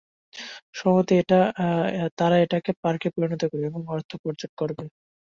সম্ভবত তারা এটাকে পার্কে পরিণত করবে, এবং অর্থ উপার্জন করবে।